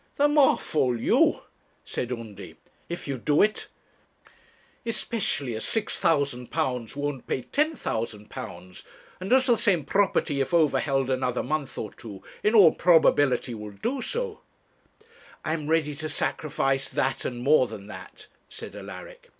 'The more fool you,' said Undy,' if you do it; especially as £6,000 won't pay £10,000, and as the same property, if overheld another month or two, in all probability will do so.' 'I am ready to sacrifice that and more than that,' said Alaric.